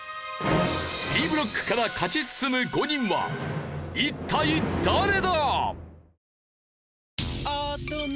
Ｂブロックから勝ち進む５人は一体誰だ！？